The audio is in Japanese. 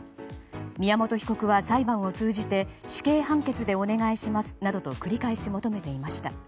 宮本被告は裁判を通じて死刑判決でお願いしますなどと繰り返し求めていました。